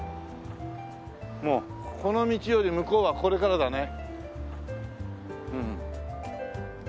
もうここの道より向こうはこれからだね。